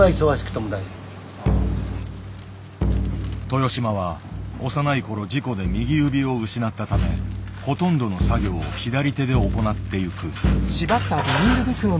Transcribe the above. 豊島は幼い頃事故で右指を失ったためほとんどの作業を左手で行ってゆく。